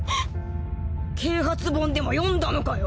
啓発本でも読んだのかよ！？